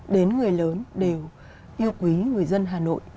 đến người lớn đều yêu quý người dân hà nội